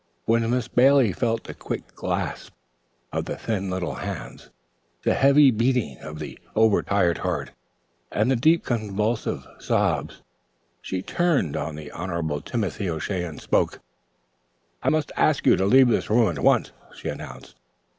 When Miss Bailey felt the quick clasp of the thin little hands, the heavy beating of the over tired heart, and the deep convulsive sobs, she turned on the Honorable Timothy O'Shea and spoke: "I must ask you to leave this room at once," she announced.